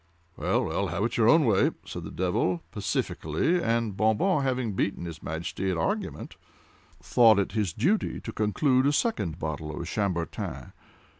"Well, well, have it your own way!" said the devil, pacifically, and Bon Bon, having beaten his Majesty at argument, thought it his duty to conclude a second bottle of Chambertin.